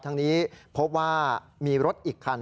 ทางนี้พบว่ามีรถอีกคัน